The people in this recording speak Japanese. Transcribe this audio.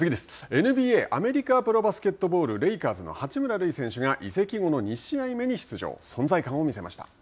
ＮＢＡ＝アメリカプロバスケットボールレイカーズの八村塁選手が移籍後の２試合目に登場。